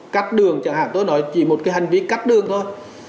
cắt đường chẳng hạn tôi nói chỉ một cái hành vi cắt đường thôi